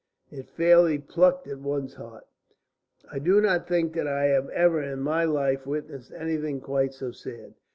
... It fairly plucked at one's heart. I do not think that I have ever in my life witnessed anything quite so sad.